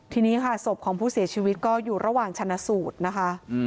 ทีนี้ค่ะศพของผู้เสียชีวิตก็อยู่ระหว่างชนะสูตรนะคะ